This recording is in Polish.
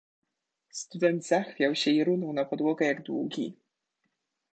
"Student zachwiał się i runął na podłogę jak długi."